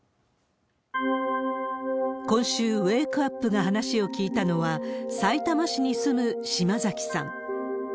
今週、ウェークアップが話を聞いたのは、さいたま市に住む島崎さん。